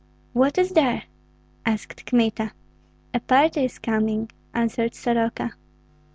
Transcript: "What is there?" asked Kmita. "A party is coming," answered Soroka.